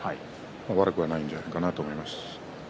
悪くはないんじゃないかなと思います。